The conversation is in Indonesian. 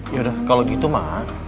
yaudah kalau gitu ma